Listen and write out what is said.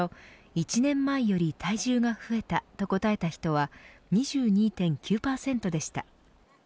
１年前より体重が増えたと答えた人は２２．９％でした。